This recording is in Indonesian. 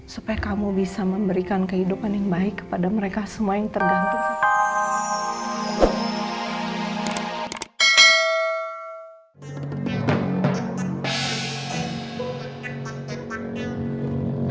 supaya kamu bisa memberikan kehidupan yang baik kepada mereka semua yang tergantung